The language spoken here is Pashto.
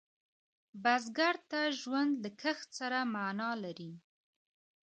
بزګر ته ژوند له کښت سره معنا لري